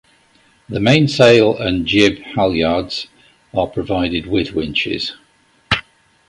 The mainsail and jib halyards are provided with winches.